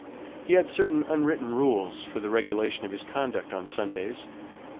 He had certain unwritten rules for the regulation of his conduct on Sundays.